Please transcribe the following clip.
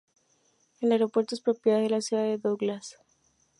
El aeropuerto es propiedad de la ciudad de Douglas.